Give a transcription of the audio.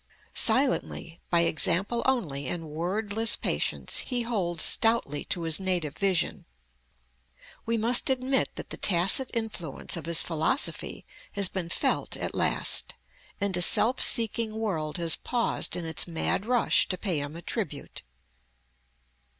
Silently, by example only, in wordless patience, he holds stoutly to his native vision. We must admit that the tacit influence of his philosophy has been felt at last, and a self seeking world has paused in its mad rush to pay him a tribute.